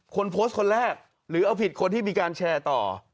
คนโพสต์คนแรกหรือเอาผิดคนที่มีการแชร์ต่อ